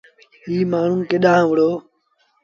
ايٚ مآڻهوٚݩ ڪيڏآن وُهڙو۔